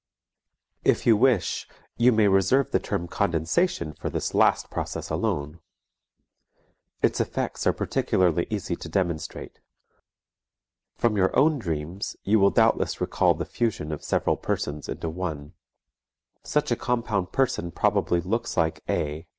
If you wish, you may reserve the term "condensation" for this last process alone. Its effects are particularly easy to demonstrate. From your own dreams you will doubtless recall the fusion of several persons into one. Such a compound person probably looks like A.